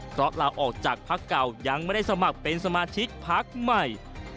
เพราะลาออกจากพักเก่ายังไม่ได้สมัครเป็นสมาชิกพักใหม่